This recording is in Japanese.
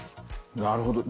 なるほど。